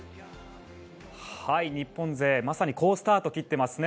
日本勢まさに好スタートを切っていますね。